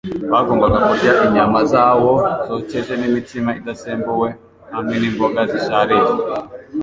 bagombaga kurya inyama zawo, zokeje, n'imitsima idasembuwe hamwe n'imboga zisharira.